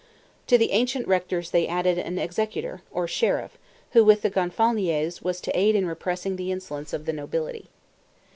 To the two ancient rectors they added an executor, or sheriff, who, with the Gonfaloniers, was to aid in repressing the insolence of the nobility.